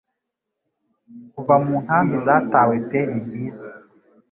kuva mu nkambi zatawe pe ni byiza